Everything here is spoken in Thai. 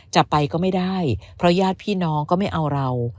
จะไปก็ไม่ได้เพราะญาติพี่น้องก็ไม่เอาเรา